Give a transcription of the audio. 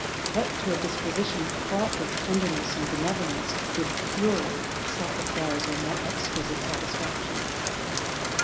_" what, to a disposition fraught with tenderness and benevolence, could give purer self applause, or more exquisite satisfaction?